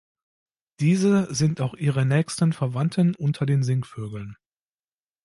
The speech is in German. Diese sind auch ihre nächsten Verwandten unter den Singvögeln.